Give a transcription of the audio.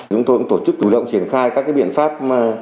chúng tôi cũng tổ chức chủ động triển khai các biện pháp